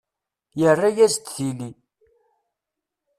Yarra-as-d tili.